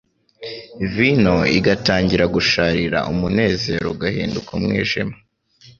Vino igatangira gusharira, umunezero ugahinduka umwijima